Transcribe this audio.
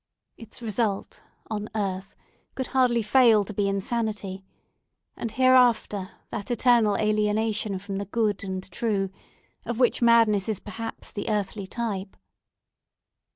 Its result, on earth, could hardly fail to be insanity, and hereafter, that eternal alienation from the Good and True, of which madness is perhaps the earthly type.